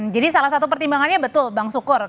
jadi salah satu pertimbangannya betul bang sukur